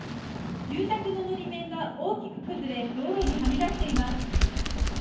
住宅ののり面が大きく崩れ、道路にはみ出しています。